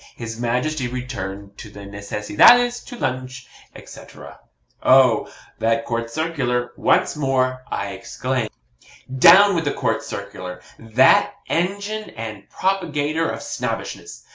His Majesty returned to the Necessidades to lunch, at,' &c. &c.. Oh! that COURT CIRCULAR! once more, I exclaim. Down with the COURT CIRCULAR that engine and propagator of Snobbishness!